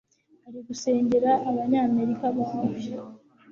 ari gusengera abanyamerika bawe